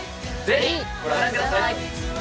ぜひご覧ください！